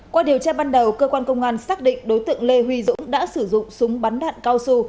qua điều tra ban đầu cơ quan công an xác định đối tượng lê huy dũng đã sử dụng súng bắn đạn cao su